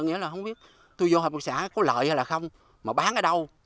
nghĩa là không biết tôi vô hợp tác xã có lợi hay là không mà bán ở đâu